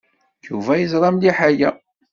Yuba yeẓra mliḥ aya.